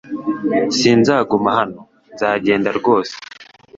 Sinzaguma hano; Nzagenda rwose